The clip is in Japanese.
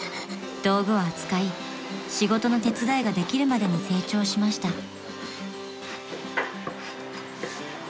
［道具を扱い仕事の手伝いができるまでに成長しました］